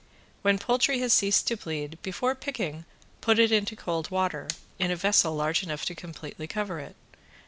When poultry has ceased to bleed, before picking put it into cold water, in a vessel large enough to completely cover it.